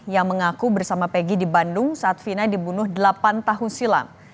yang mengaku bersama pegi di bandung saat vina dibunuh delapan tahun silam